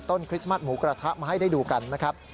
คริสต์มัสหมูกระทะมาให้ได้ดูกันนะครับ